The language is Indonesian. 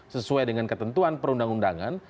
sesuai dengan ketentuan perundang undangan